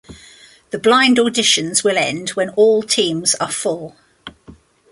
The Blind Auditions will end when all teams are full.